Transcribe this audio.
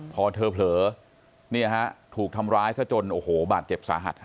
พอเธอเผลอเนี่ยฮะถูกทำร้ายซะจนโอ้โหบาดเจ็บสาหัส